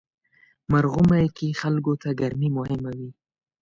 مرغومی کې خلکو ته ګرمي مهمه وي.